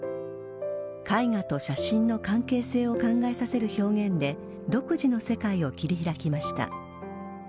絵画と写真の関係性を考えさせる表現で独自の世界を切り開きました。